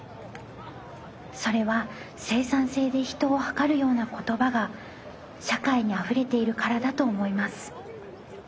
それは生産性で人をはかるような言葉が社会にあふれているからだと思います。